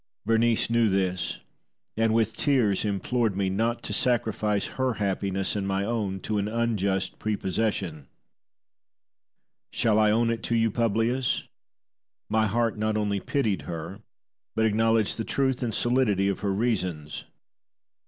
Berenice knew this, and with tears implored me not to sacrifice her happiness and my own to an unjust prepossession. Shall I own it to you, Publius? My heart not only pitied her, but acknowledged the truth and solidity of her reasons.